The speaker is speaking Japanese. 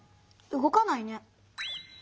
動かないね。